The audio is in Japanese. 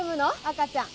赤ちゃん。